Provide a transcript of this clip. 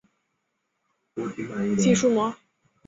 肌束膜。